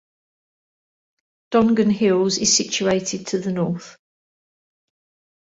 Dongan Hills is situated to the north.